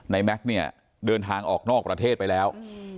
แม็กซ์เนี่ยเดินทางออกนอกประเทศไปแล้ว